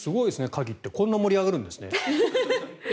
カキってこんな盛り上がるんですね。